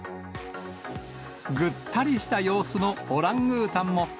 ぐったりした様子のオランウータンも。